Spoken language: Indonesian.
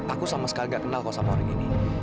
aku sama sekali nggak kenal kau sama orang ini